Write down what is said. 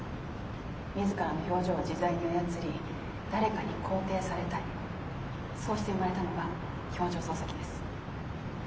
自らの表情を自在に操り誰かに肯定されたいそうして生まれたのが表情操作機です。